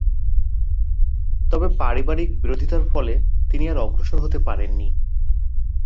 তবে পারিবারিক বিরোধিতার ফলে তিনি আর অগ্রসর হতে পারেননি।